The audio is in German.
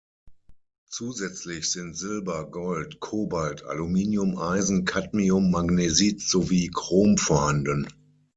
Zusätzlich sind Silber, Gold, Kobalt, Aluminium, Eisen, Cadmium, Magnesit sowie Chrom vorhanden.